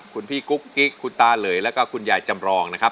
คุณพี่กุ๊กกิ๊กคุณตาเหลยแล้วก็คุณยายจำรองนะครับ